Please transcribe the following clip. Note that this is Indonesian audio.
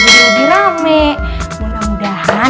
jadi lagi rame mudah mudahan